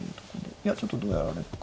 いやちょっとどうやられるか。